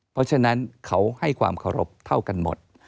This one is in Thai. เพราะฉะนั้นเขาให้ความเคารพเท่ากันหมด